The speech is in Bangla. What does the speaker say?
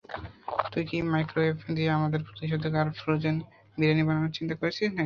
তুমি কি মাইক্রোওয়েভ দিয়ে আমাদের প্রতিষেধক আর ফ্রোজেন বিরিয়ানি বানানোর চিন্তা করছ নাকি?